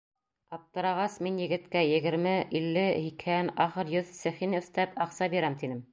Аптырағас, мин егеткә егерме, илле, һикһән, ахыр йөҙ цехин өҫтәп, аҡса бирәм, тинем.